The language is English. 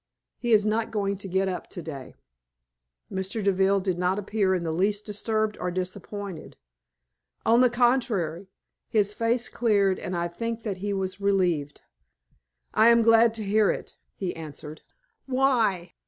He is not going to get up to day." Mr. Deville did not appear in the least disturbed or disappointed. On the contrary, his face cleared, and I think that he was relieved. "I am glad to hear it," he answered. "Why?"